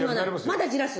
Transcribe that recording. まだじらす。